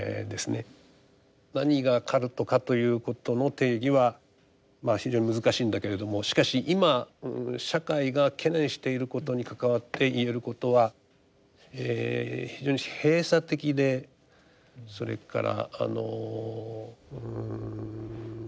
何がカルトかということの定義は非常に難しいんだけれどもしかし今社会が懸念していることに関わって言えることは非常に閉鎖的でそれからあのうん